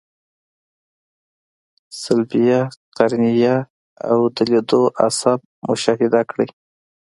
صلبیه، قرنیه او د لیدلو عصب مشاهده کړئ.